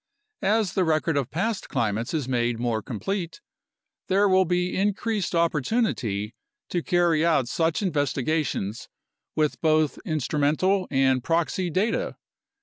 As the record of past climates is made more complete, there will be increased opportunity to carry out such investigations with both instrumental and proxy data.